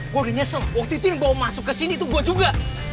gue udah nyesel waktu itu yang bawa masuk ke sini tuh gue juga